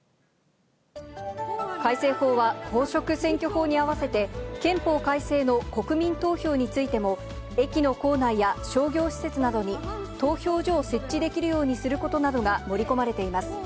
改正法は、公職選挙法に合わせて憲法改正の国民投票についても、駅の構内や商業施設などに投票所を設置できるようにすることなどが盛り込まれています。